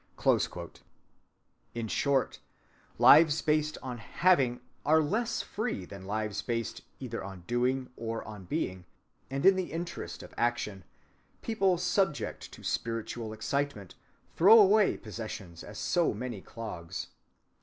(193) In short, lives based on having are less free than lives based either on doing or on being, and in the interest of action people subject to spiritual excitement throw away possessions as so many clogs.